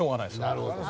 なるほど。